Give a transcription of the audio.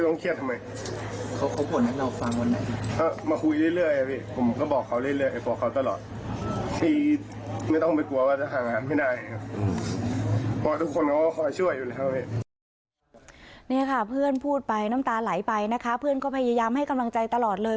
นี่ค่ะเพื่อนพูดไปน้ำตาไหลไปนะคะเพื่อนก็พยายามให้กำลังใจตลอดเลย